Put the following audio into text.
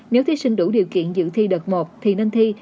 nếu thí sinh đủ điều kiện dự thi đợt một thì nên thi